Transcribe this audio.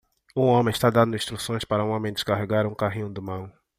Um homem está dando instruções para um homem descarregar um carrinho de mão.